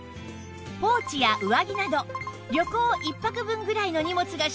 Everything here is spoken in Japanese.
ポーチや上着など旅行一泊分ぐらいの荷物が収納オーケー